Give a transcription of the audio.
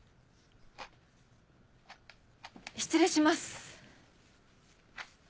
失礼します。